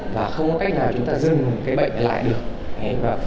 và không có cách nào chúng ta dừng cái bệnh lại được